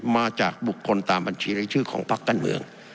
มาจากบุคคลตามบัญชีรายชื่อของพักการเมือง